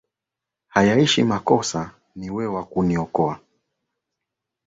Hayaishi makosa, ni we wa kuokoa